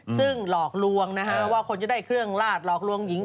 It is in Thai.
ซึ่งหลอกลวงนะฮะว่าคนจะได้เครื่องลาดหลอกลวงหญิง